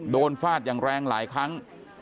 ฟาดอย่างแรงหลายครั้ง